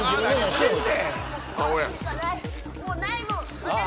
私はもうないもん！